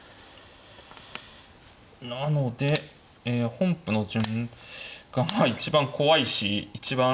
なので本譜の順が一番怖いし一番。